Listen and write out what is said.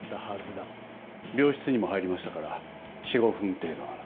病室にも入りましたから４５分程度なら。